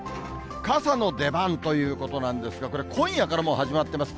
傘の出番ということなんですが、これ、今夜からもう始まっています。